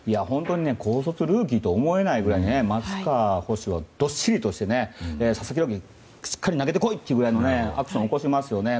高卒ルーキーと思えないくらい、松川捕手はどっしりして佐々木朗希、しっかり投げて来いというアクションを起こしてます。